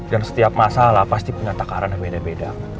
dan setiap masalah pasti punya takaran yang beda beda